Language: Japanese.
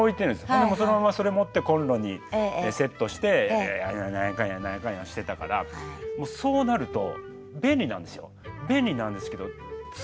ほんでそのままそれ持ってコンロにセットして何やかんや何やかんやしてたからそうなると便利なんですよ。